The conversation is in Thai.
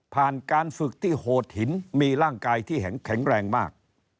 การฝึกที่โหดหินมีร่างกายที่แข็งแรงมาก